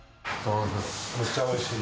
めっちゃおいしい。